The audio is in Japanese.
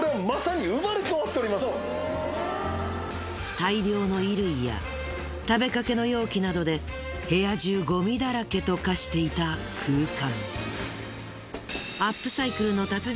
大量の衣類や食べかけの容器などで部屋中ゴミだらけと化していた空間。